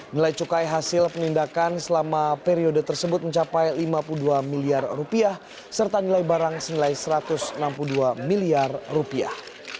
nilai cukai hasil penindakan selama periode tersebut mencapai lima puluh dua miliar rupiah serta nilai barang senilai satu ratus enam puluh dua miliar rupiah